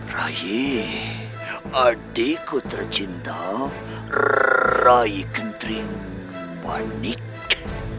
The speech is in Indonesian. rayi adikku tercinta rayi gentrion manik